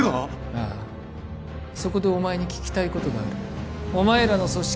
ああそこでお前に聞きたいことがあるお前らの組織